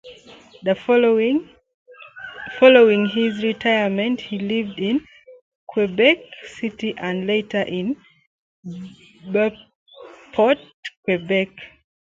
Following his retirement, he lived in Quebec City and later in Beauport, Quebec.